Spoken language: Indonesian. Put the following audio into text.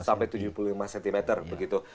sampai tujuh puluh lima cm begitu